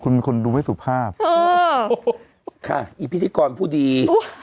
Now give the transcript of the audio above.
คุณเป็นคนดูไม่สุภาพค่ะอีพิธีกรผู้ดี